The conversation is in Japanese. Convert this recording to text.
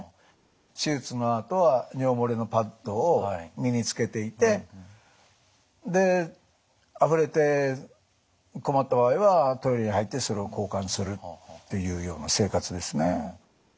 手術のあとは尿漏れのパッドを身につけていてであふれて困った場合はトイレに入ってそれを交換するっていうような生活ですね。